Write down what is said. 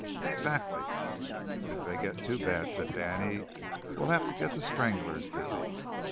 "Exactly." "And if they get too bad," said Danny, "we'll have to get the stranglers busy."